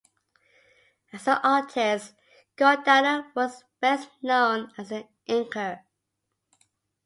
As an artist, Giordano was best known as an inker.